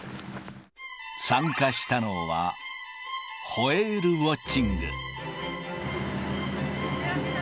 参加したのは、ホエールウォッチング。